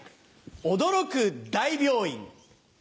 驚く大病院。